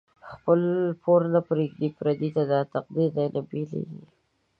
خپل پور نه پریږدی پردی ته، دا تقدیر دۍ نه بیلیږی